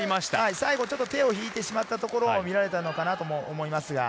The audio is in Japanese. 最後、手を引いてしまったところを見られたのかなと思います。